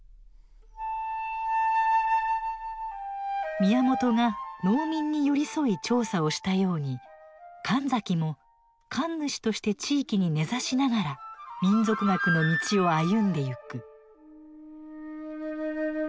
宮本が農民に寄り添い調査をしたように神崎も神主として地域に根ざしながら民俗学の道を歩んでゆく。